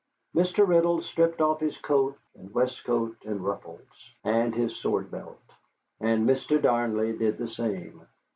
Mr. Riddle stripped off his coat and waistcoat and ruffles, and his sword belt, and Mr. Darnley did the same.